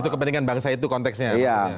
untuk kepentingan bangsa itu konteksnya